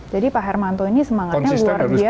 jadi pak herman ini semangatnya luar biasa ya